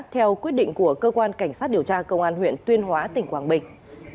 theo quyết định của cơ quan cảnh sát điều tra công an huyện tuyên hóa tỉnh quảng bình